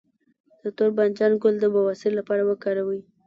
د تور بانجان ګل د بواسیر لپاره وکاروئ